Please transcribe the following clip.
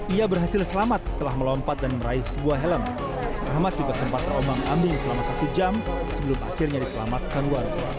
ia berhasil selamat setelah melompat dan meraih sebuah helm rahmat juga sempat terombang ambil selama satu jam sebelum akhirnya diselamatkan warga